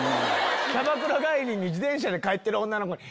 キャバクラ帰りに自転車で帰ってる女の子に。